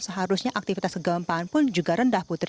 seharusnya aktivitas kegempaan pun juga rendah putri